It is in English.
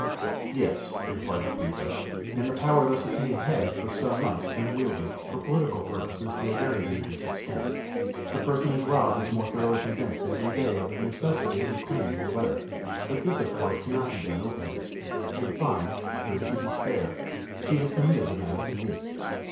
"Yes," replied the Prefect, "and the power thus attained has, for some months past, been wielded, for political purposes, to a very dangerous extent. The personage robbed is more thoroughly convinced, every day, of the necessity of reclaiming her letter. But this, of course, cannot be done openly. In fine, driven to despair, she has committed the matter to me."